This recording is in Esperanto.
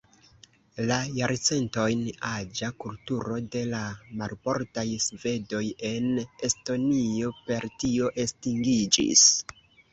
La jarcentojn aĝa kulturo de la "marbordaj svedoj" en Estonio per tio estingiĝis.